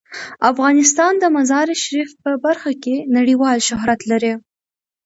افغانستان د مزارشریف په برخه کې نړیوال شهرت لري.